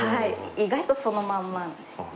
意外とそのまんまですね。